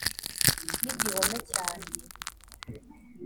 n igihome cyanjye